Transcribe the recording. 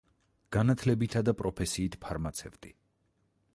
განათლებითა და პროფესიით ფარმაცევტი.